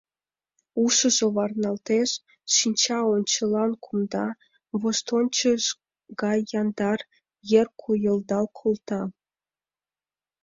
Ушыжо варналтеш, шинча ончылан кумда, воштончыш гай яндар, ер койылдал колта...